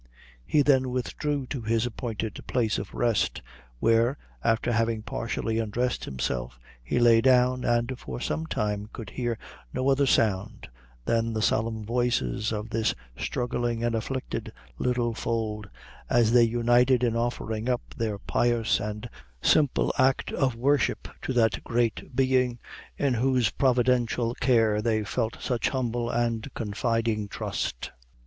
He then withdrew to his appointed place of rest, where, after having partially undressed himself, he lay down, and for some time could hear no other sound than the solemn voices of this struggling and afflicted little fold, as they united in offering up their pious and simple act of worship to that Great Being, in whose providential care they felt such humble and confiding trust.